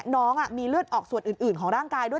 น้องมีเลือดออกส่วนอื่นของร่างกายด้วย